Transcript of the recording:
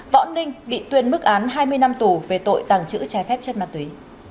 võ ninh bị tuyên mức án hai mươi năm tù về tội tàng trữ trái phép chất ma túy